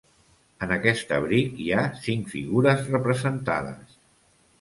En aquest abric hi ha cinc figures representades.